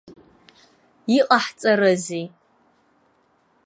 Иҟаҳҵарызеи?!